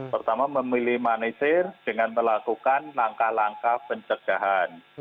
pertama meminimalisir dengan melakukan langkah langkah pencegahan